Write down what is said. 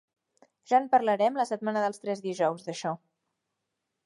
Ja en parlarem la setmana dels tres dijous, d'això!